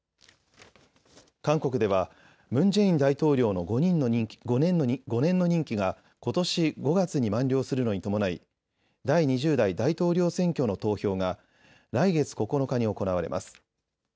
韓国ではムン・ジェイン大統領の５年の任期が、ことし５月に満了するのに伴い第２０代大統領選挙の投票が来月９日に行われます。